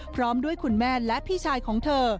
พร้อมด้วยคุณแม่และพี่ชายของเธอ